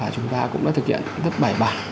chúng ta cũng đã thực hiện rất bảy bản